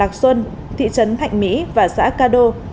lạc xuân thị trấn thạnh mỹ và xã ca đô